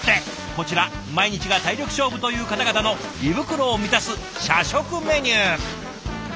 こちら毎日が体力勝負という方々の胃袋を満たす社食メニュー。